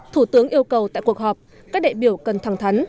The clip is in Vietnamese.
thủ tướng yêu cầu tại cuộc họp các đại biểu cần thẳng thắn